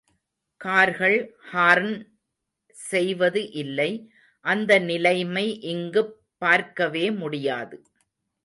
கார்கள் ஹார்ன் செய்வது இல்லை அந்த நிலைமை இங்குப் பார்க்கவே முடியாது.